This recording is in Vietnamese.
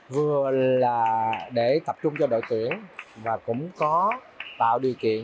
vừa là để tập trung cho đội tuyển và cũng có tạo điều kiện